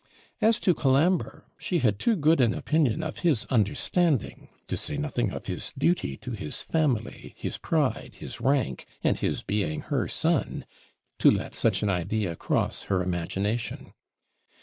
As to Colambre, she had too good an opinion of his understanding to say nothing of his duty to his family, his pride, his rank, and his being her son to let such an idea cross her imagination.